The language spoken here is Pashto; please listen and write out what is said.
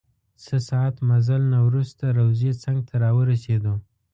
څه ساعت مزل نه وروسته روضې څنګ ته راورسیدو.